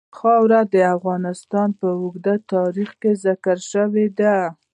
خاوره د افغانستان په اوږده تاریخ کې ذکر شوی دی.